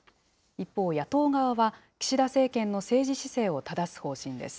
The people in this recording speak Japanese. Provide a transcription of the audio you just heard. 一方、野党側は、岸田政権の政治姿勢をただす方針です。